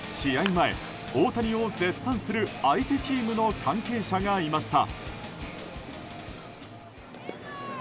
前、大谷を絶賛する相手チームの関係者がいました。